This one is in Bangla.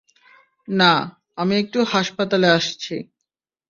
না, আমি একটু হাসপাতালে আসছি।